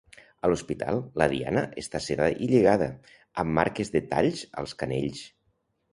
A l’hospital, la Diana està sedada i lligada, amb marques de talls als canells.